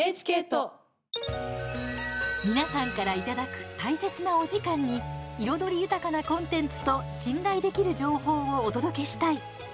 皆さんからいただく大切なお時間に彩り豊かなコンテンツと信頼できる情報をお届けしたい。